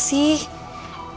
sakti longgan dikit